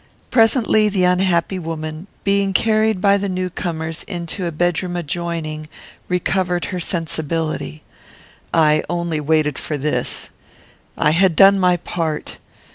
Presently, the unhappy woman, being carried by the new comers into a bedroom adjoining, recovered her sensibility. I only waited for this. I had done my part.